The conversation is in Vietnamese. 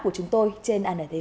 sẽ có nhiều quy thức